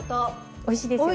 おいしいですよね。